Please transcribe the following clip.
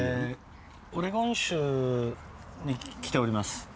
オレゴン州に来ております。